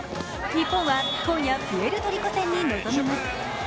日本は今夜、プエルトリコ戦に臨みます。